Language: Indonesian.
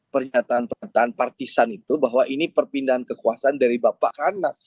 pernyataan pernyataan partisan itu bahwa ini perpindahan kekuasaan dari bapak kanan